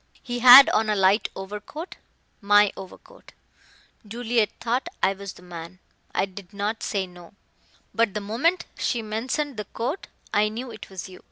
He had on alight overcoat my overcoat. Juliet thought I was the man. I did not say no. But the moment she mentioned the coat I knew it was you.